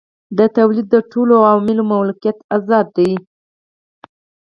د تولید د ټولو عواملو ملکیت ازاد دی.